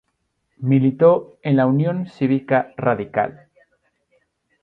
Militó en la Unión Cívica Radical.